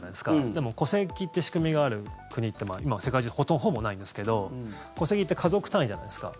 でも戸籍って仕組みがある国って今は世界中ほぼないんですけど戸籍って家族単位じゃないですか。